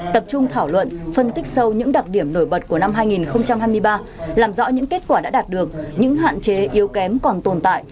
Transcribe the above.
tập trung thảo luận phân tích sâu những đặc điểm nổi bật của năm hai nghìn hai mươi ba làm rõ những kết quả đã đạt được những hạn chế yếu kém còn tồn tại